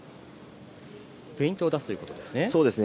フェイントを出すということですね。